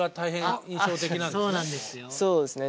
そうですね。